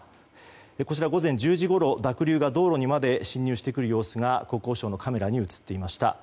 こちらは午前１０時ごろ濁流が道路にまで浸入してくる様子が国交省のカメラに映っていました。